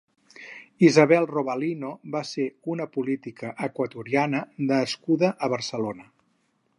Isabel Robalino va ser una política equatoriana nascuda a Barcelona.